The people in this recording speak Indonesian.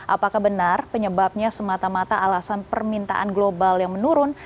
apakah benar penyebabnya semata mata alasan permintaan global yang menurun